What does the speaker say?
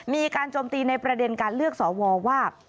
โจมตีในประเด็นการเลือกสวว่า